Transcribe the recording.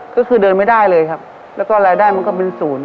ก็คือเดือนไม่ได้เลยครับ